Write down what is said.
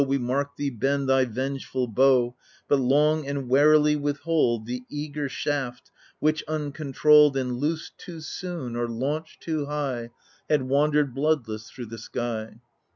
We marked thee bend thy vengeful bow, But long and warily withhold The eager shaft, which, uncontrolled And loosed too soon or launched too high. Had wandered bloodless through the sky.